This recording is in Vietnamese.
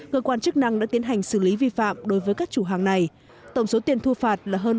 cơ quan chức năng đã tiến hành xử lý vi phạm đối với các chủ hàng này tổng số tiền thu phạt là hơn bốn trăm hai mươi bảy triệu đồng